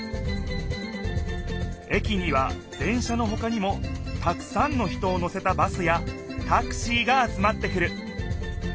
駅には電車のほかにもたくさんの人を乗せたバスやタクシーが集まってくる。